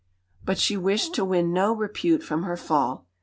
But she wished to win no repute from her fall.